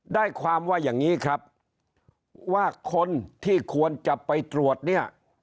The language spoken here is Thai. ได้ความว่าอย่างนี้ครับว่าคนที่ควรจะไปตรวจเนี่ย